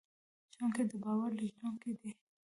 ښوونکي د باور لېږدونکي دي.